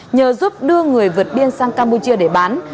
nhờ giúp đưa người vượt biên sang campuchia để bán